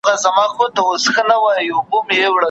د هغه مغفور روح ته دعا کوم